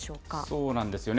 そうなんですよね。